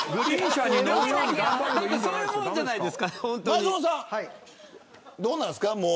前園さんはどうなんですか。